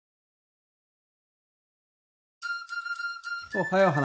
おはよう花。